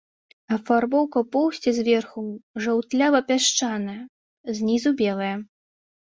Афарбоўка поўсці зверху жаўтлява-пясчаная, знізу белая.